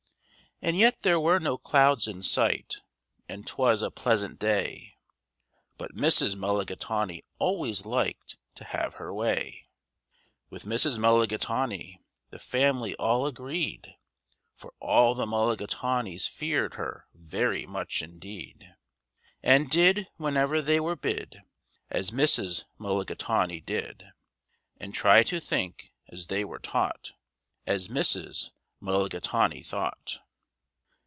And yet there were no clouds in sight, and 'twas a pleasant day, But Mrs. Mulligatawny always liked to have her way. With Mrs. Mulligatawny the family all agreed, For all the Mulligatawnys feared her very much indeed, And did, whenever they were bid, As Mrs. Mulligatawny did, And tried to think, as they were taught, As Mrs. Mulligatawny thought.